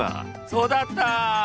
そうだったあ。